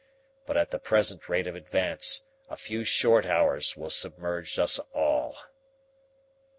But at the present rate of advance a few short hours will submerge us all."